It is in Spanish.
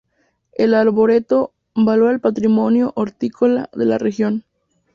El arboreto valora el patrimonio hortícola de la región.